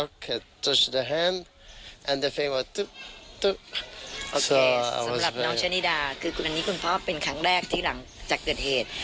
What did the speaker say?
คืออันนี้คุณพ่อเป็นครั้งแรกที่หลังจากเกิดเหตุ